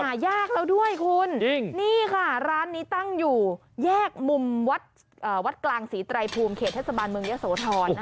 ว่ายากแล้วด้วยคุณจริงค่ะนี่ค่ะร้านนี้ตั้งอยู่แยกมุมวัดกลางสีตรายภูมิเขตเทศบานเมืองยะสวทรนะคะ